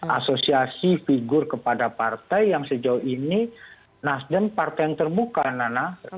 asosiasi figur kepada partai yang sejauh ini nasdem partai yang terbuka nana